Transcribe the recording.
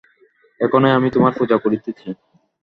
এখনই আমি তোমার পূজা করিতেছি।